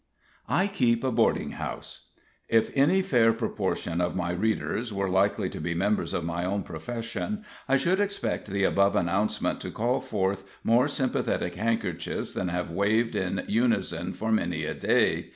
I keep a boarding house. If any fair proportion of my readers were likely to be members of my own profession, I should expect the above announcement to call forth more sympathetic handkerchiefs than have waved in unison for many a day.